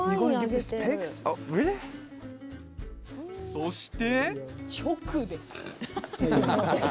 そして。